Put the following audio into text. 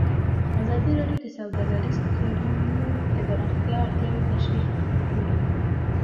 ازادي راډیو د سوداګریز تړونونه د پراختیا اړتیاوې تشریح کړي.